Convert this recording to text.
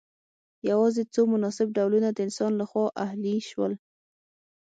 یوازې څو مناسب ډولونه د انسان لخوا اهلي شول.